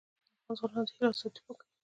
نورستان د افغان ځوانانو د هیلو استازیتوب کوي.